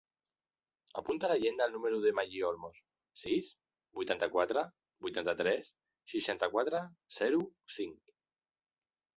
Apunta a l'agenda el número del Magí Olmos: sis, vuitanta-quatre, vuitanta-tres, seixanta-quatre, zero, cinc.